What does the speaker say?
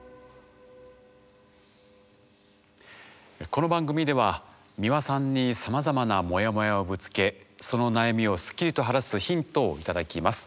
この番組では美輪さんにさまざまなモヤモヤをぶつけその悩みをスッキリと晴らすヒントを頂きます。